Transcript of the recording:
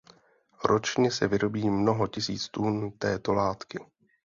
Ročně se vyrobí mnoho tisíc tun této látky.